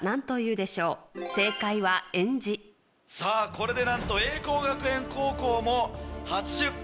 これでなんと栄光学園高校も８０ポイント。